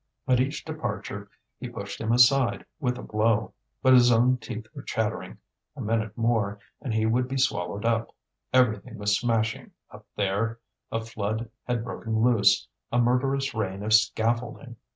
At each departure he pushed him aside with a blow. But his own teeth were chattering, a minute more and he would be swallowed up; everything was smashing up there, a flood had broken loose, a murderous rain of scaffolding.